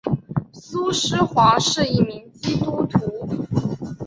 苏施黄是一名基督徒。